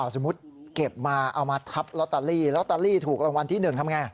สมมุติเก็บมาเอามาทับลอตเตอรี่ลอตเตอรี่ถูกรางวัลที่๑ทำไง